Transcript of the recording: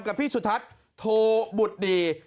กับพี่สุทัศน์โทบุตรดี